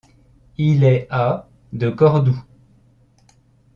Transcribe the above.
Il est à de Cordoue.